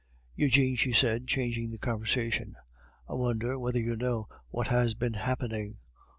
"Eugene," she said, changing the conversation, "I wonder whether you know what has been happening?